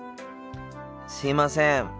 すいません。